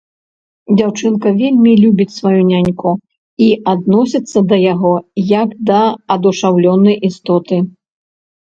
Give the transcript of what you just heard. Дзяўчынка вельмі любіць сваю няньку і адносіцца да яго як да адушаўлёнай істоты.